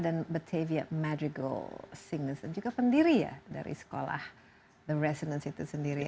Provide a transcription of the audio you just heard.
dan batavia madrigal singles dan juga pendiri ya dari sekolah the resonance itu sendiri